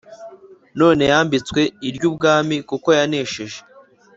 None yambitsw iry'ubwami Kuko yanesheje.